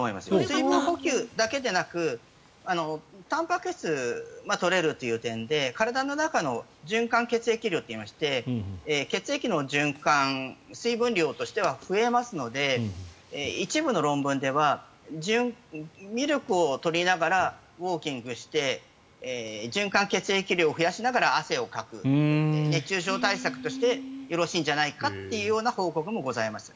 水分補給だけでなくたんぱく質が取れるという点で体の中の循環血液量といいまして血液の循環水分量としては増えますので一部の論文ではミルクを取りながらウォーキングして循環血液量を増やしながら汗をかく熱中症対策としてよろしんじゃないかという報告もございます。